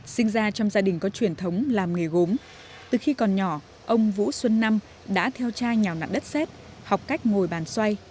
sinh ra trong gia đình có truyền thống làm nghề gốm từ khi còn nhỏ ông vũ xuân năm đã theo cha nhào nặng đất xét học cách ngồi bàn xoay